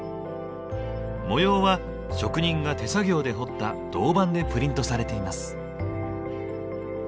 模様は職人が手作業で彫った銅板でプリントされています。